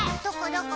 どこ？